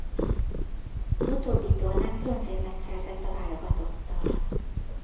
Utóbbi tornán bronzérmet szerzett a válogatottal.